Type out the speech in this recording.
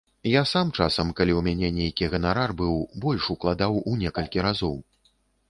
Я сам часам, калі ў мяне нейкі ганарар быў, больш укладаў у некалькі разоў.